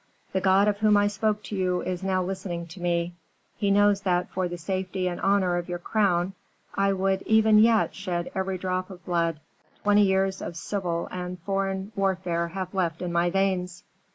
The God of whom I spoke to you is now listening to me; He knows that for the safety and honor of your crown I would even yet shed every drop of blood twenty years of civil and foreign warfare have left in my veins.